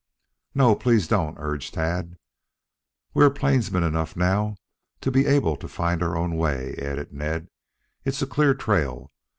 "No, please don't," urged Tad. "We are plainsmen enough now to be able to find our own way," added Ned. "It's a clear trail.